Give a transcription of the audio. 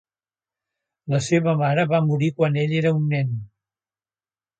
La serva mare va morir quan ell era un nen.